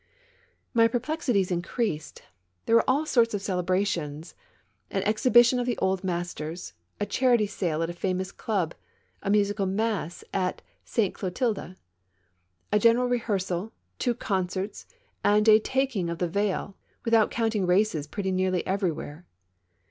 My perplexities increased ; there were all sorts of cele brations: an Exposition of the Old Masters, a charity sale at a famous club, a musical mass at Sainte Clotilde, a general rehearsal, two concerts and a taking of the veil, without counting races pretty nearly everywhere.